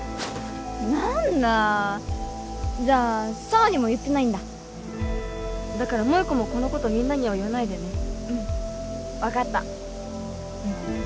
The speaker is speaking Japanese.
何だじゃあ紗羽にも言ってないんだだから萌子もこのことみんなには言わないでねうん分かったうん